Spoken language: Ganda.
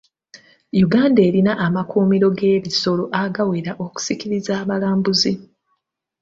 Uganda erina amakkuumiro g'ebisolo agawera okusikiriza abalambuzi.